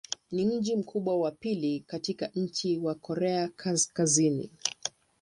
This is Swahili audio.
Ni mji mkubwa wa pili katika nchi wa Korea Kaskazini.